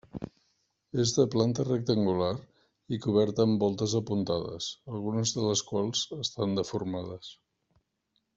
És de planta rectangular i coberta amb voltes apuntades, algunes de les quals estan deformades.